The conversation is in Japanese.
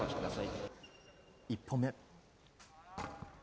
１本目。